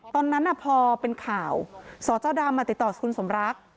ตอนนั้นพอเป็นข่าวสจดำติดต่อคุณสมรัก